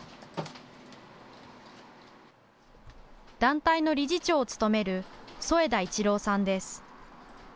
団体の理事長を務める副田一朗さんです。